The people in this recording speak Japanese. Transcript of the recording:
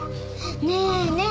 ねえねえ